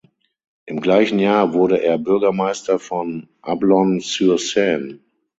Im gleichen Jahr wurde er Bürgermeister von Ablon-sur-Seine.